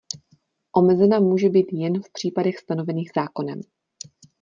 Omezena může být jen v případech stanovených zákonem.